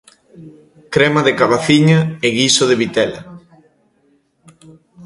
Crema de cabaciña e guiso de vitela.